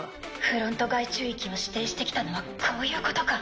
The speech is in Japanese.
フロント外宙域を指定してきたのはこういうことか。